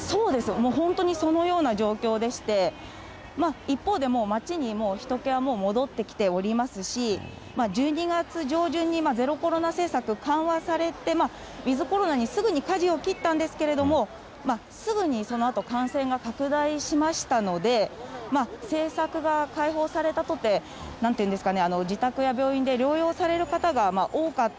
もう本当にそのような状況でして、一方でもう街にひと気は戻ってきておりますし、１２月上旬にゼロコロナ政策緩和されて、ウィズコロナにすぐにかじを切ったんですけれども、すぐにそのあと感染が拡大しましたので、政策が解放されたとて、なんて言うんですかね、自宅や病院で療養される方が多かった。